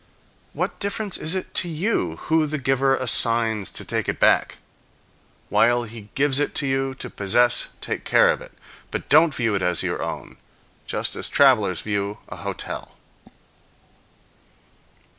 What difference is it to you who the giver assigns to take it back? While he gives it to you to possess, take care of it; but don't view it as your own, just as travelers view a hotel.